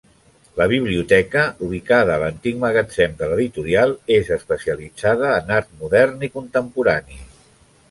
La biblioteca, ubicada a l'antic magatzem de l'editorial, és especialitzada en art modern i contemporani.